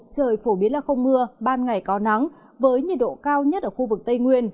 trời phổ biến là không mưa ban ngày có nắng với nhiệt độ cao nhất ở khu vực tây nguyên